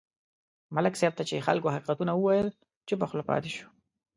ملک صاحب ته چې خلکو حقیقتونه وویل، چوپه خوله پاتې شو.